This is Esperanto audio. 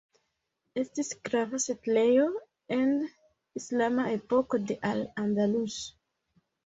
Estis grava setlejo en islama epoko de Al Andalus.